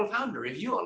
jika anda suka menulis